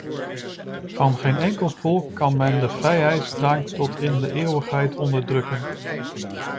Van geen enkel volk kan men de vrijheidsdrang tot in de eeuwigheid onderdrukken.